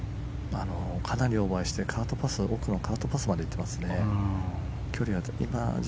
オーバーして奥のカートパスまでいっていますね。